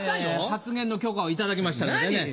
発言の許可を頂きましたので。